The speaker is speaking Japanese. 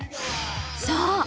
そう！